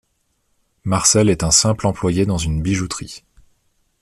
Marcel est un simple employé dans une bijouterie.